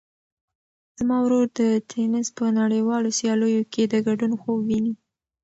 زما ورور د تېنس په نړیوالو سیالیو کې د ګډون خوب ویني.